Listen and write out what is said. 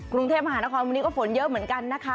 กรุงเทพมหานครวันนี้ก็ฝนเยอะเหมือนกันนะคะ